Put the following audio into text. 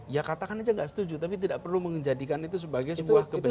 ya katakan aja nggak setuju tapi tidak perlu menjadikan itu sebagai sebuah kebenaran